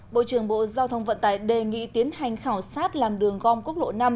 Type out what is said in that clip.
bộ trưởng bộ giao thông vận tải đề nghị tiến hành khảo sát làm đường gom quốc lộ năm